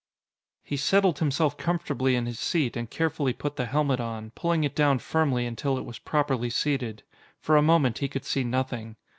He settled himself comfortably in his seat, and carefully put the helmet on, pulling it down firmly until it was properly seated. For a moment, he could see nothing.